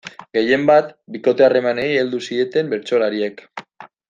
Gehienbat, bikote-harremanei heldu zieten bertsolariek.